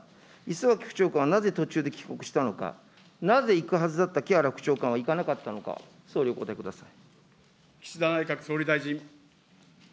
磯崎副長官はなぜ途中で帰国したのか、なぜ行くはずだった木原副長官は行かなかったのか、総理お岸田内閣総理大臣。